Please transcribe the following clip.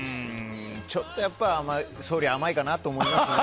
ちょっとやっぱり総理、甘いかなと思いますね。